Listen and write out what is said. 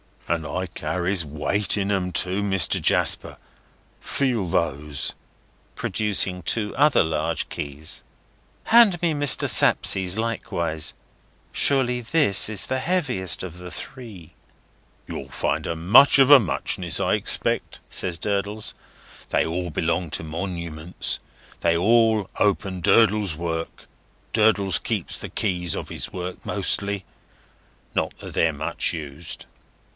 "And I carries weight in 'em too, Mr. Jasper. Feel those!" producing two other large keys. "Hand me Mr. Sapsea's likewise. Surely this is the heaviest of the three." "You'll find 'em much of a muchness, I expect," says Durdles. "They all belong to monuments. They all open Durdles's work. Durdles keeps the keys of his work mostly. Not that they're much used."